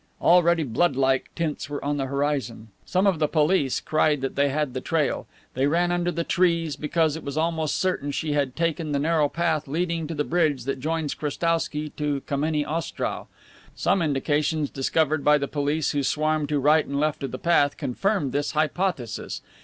Already blood like tints were on the horizon. Some of the police cried that they had the trail. They ran under the trees, because it was almost certain she had taken the narrow path leading to the bridge that joins Krestowsky to Kameny Ostrow. Some indications discovered by the police who swarmed to right and left of the path confirmed this hypothesis.